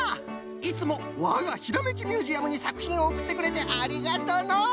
いつもわがひらめきミュージアムにさくひんをおくってくれてありがとの！